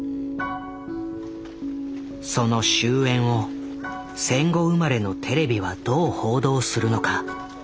その終焉を戦後生まれのテレビはどう報道するのか。